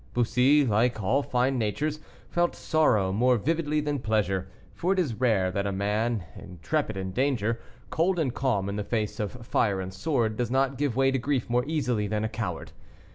Bussy, like all fine natures, felt sorrow more vividly than pleasure; for it is rare that a man intrepid in danger, cold and calm in the face of fire and sword, does not give way to grief more easily than a coward.